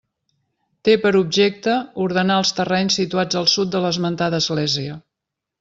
Té per objecte ordenar els terrenys situats al sud de l'esmentada església.